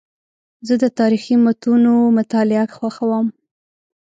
زه د تاریخي متونو مطالعه خوښوم.